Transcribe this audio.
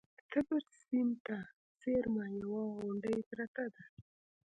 د تیبر سیند ته څېرمه یوه غونډۍ پرته ده